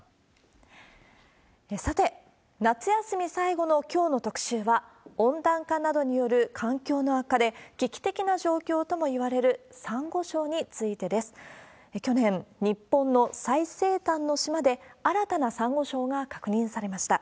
さて夏休み最後のきょうの特集は、温暖化などによる環境の悪化で危機的な状況ともいわれるサンゴ礁についてです。去年日本の最西端の島で、新たなサンゴ礁が確認されました。